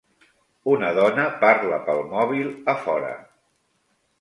Una dona parla pel mòbil a fora